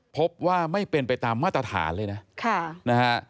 พบว่าไม่เป็นไปตามมาตรฐานเลยนะ